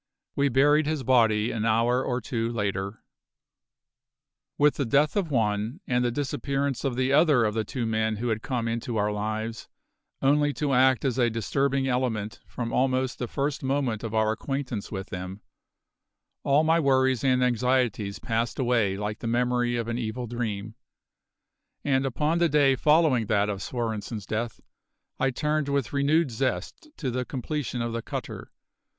We buried his body an hour or two later. With the death of one, and the disappearance of the other of the two men who had come into our lives, only to act as a disturbing element from almost the first moment of our acquaintance with them, all my worries and anxieties passed away like the memory of an evil dream; and upon the day following that of Svorenssen's death I turned with renewed zest to the completion of the cutter.